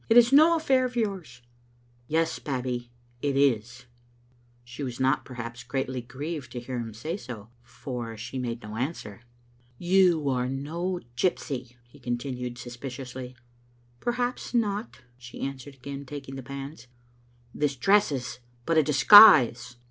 It is no affair of yours." "Yes, Babbie, it is." She was not, perhaps, greatly grieved to hear him say so, for she made no answer. "You are no gypsy," he continued, suspiciously. "Perhaps not," she answered, again taking the pan& " This dress is but a disguise."